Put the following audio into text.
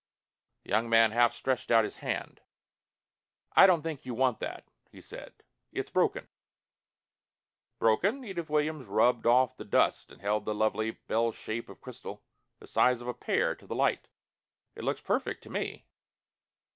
The young man half stretched out his hand. "I don't think you want that," he said. "It's broken." "Broken?" Edith Williams rubbed off the dust and held the lovely bell shape of crystal, the size of a pear, to the light. "It looks perfect to me."